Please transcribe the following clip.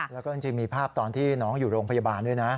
แล้วก็จริงมีภาพตอนที่น้องอยู่โรงพยาบาลด้วยนะ